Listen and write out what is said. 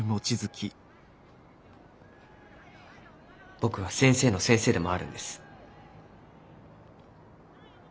僕は先生の先生でもあるんです。